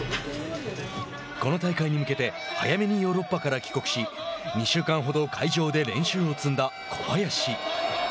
この大会に向けて早めにヨーロッパから帰国し２週間ほど会場で練習を積んだ小林。